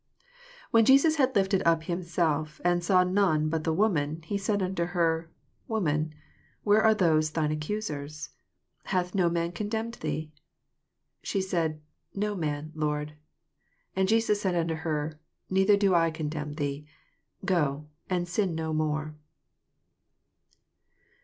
10 When Jesus had lifted up him self, and saw none but the woman, he said unto her. Woman, where are those thine accusers? hath no man con demned thee 7 11 She said, No man. Lord. And Jesus said unto her, Neither do I eon* demn thee: go, and sin no more.